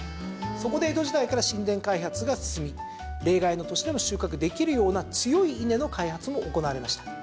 そこで江戸時代から新田開発が進み冷害の年でも収穫できるような強い稲の開発も行われました。